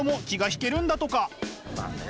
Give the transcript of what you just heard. まあね。